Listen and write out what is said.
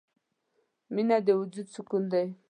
• مینه د وجود سکون دی.